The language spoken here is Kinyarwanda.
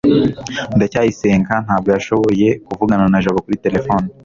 ndacyayisenga ntabwo yashoboye kuvugana na jabo kuri terefone